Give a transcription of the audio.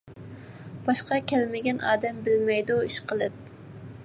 باشقا كەلمىگەن ئادەم بىلمەيدۇ، ئىشقىلىپ.